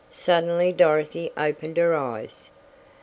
Suddenly Dorothy opened her eyes.